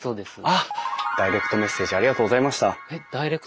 あっダイレクトメッセージありがとうございました。